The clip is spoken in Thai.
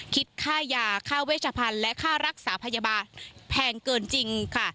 คิดค่ายาค่าเวชพันธุ์และค่ารักษาพยาบาลแพงเกินจริงค่ะ